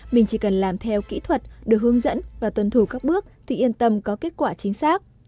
mình chỉ cần làm theo kỹ thuật được hướng dẫn và tuân thủ các bước thì yên tâm có kết quả chính xác